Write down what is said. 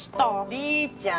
李ちゃん！